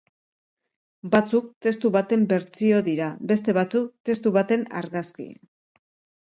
Batzuk testu baten bertsio dira, beste batzuk testu baten argazki.